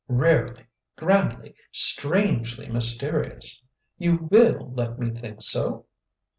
Rarely, grandly, STRANGELY mysterious! You WILL let me think so?"